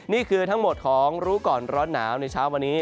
นี่คือทั้งหมดของรู้ก่อนร้อนหนาวในเช้าวันนี้